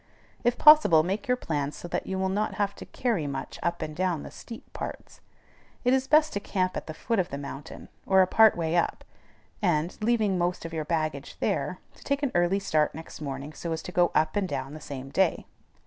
If possible, make your plans so that you will not have to carry much up and down the steep parts. It is best to camp at the foot of the mountain, or a part way up, and, leaving the most of your baggage there, to take an early start next morning so as to go up and down the same day.